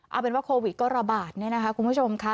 เอาเป็นว่าโควิดก็ระบาดเนี่ยนะคะคุณผู้ชมค่ะ